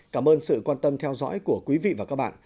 cảm ơn sự quan tâm theo dõi của quý vị và các bạn